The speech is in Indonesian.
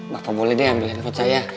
bapak boleh deh ambil info saya